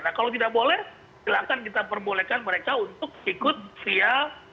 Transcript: nah kalau tidak boleh silakan kita perbolehkan mereka untuk ikut via